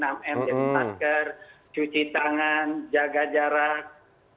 yaitu masker cuci tangan jaga jarak